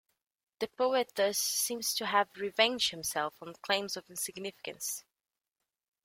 The poet thus seems to have revenged himself on claims of insignificance.